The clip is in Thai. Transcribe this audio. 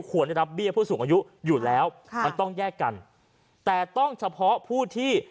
ได้รับเบี้ยผู้สูงอายุอยู่แล้วค่ะมันต้องแยกกันแต่ต้องเฉพาะผู้ที่